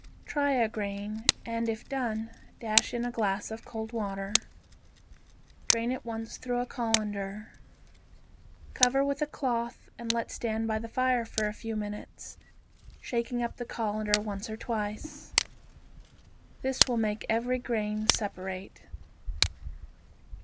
Try a grain, and if done dash in a glass of cold water. Drain at once through a colander. Cover with a cloth and let stand by the fire for a few minutes, shaking up the colander once or twice. This will make every grain separate.